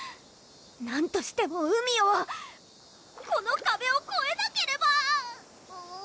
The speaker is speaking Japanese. なんとしても海をこの壁をこえなければ！